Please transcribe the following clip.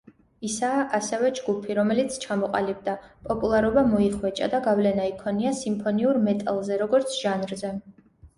ისაა ასევე ჯგუფი, რომელიც ჩამოყალიბდა, პოპულარობა მოიხვეჭა და გავლენა იქონია სიმფონიურ მეტალზე, როგორც ჟანრზე.